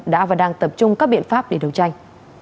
đã và đang tập trung các biện pháp để đấu tranh